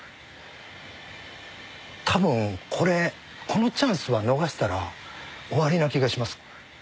たぶんこのチャンスは逃したら終わりな気がします。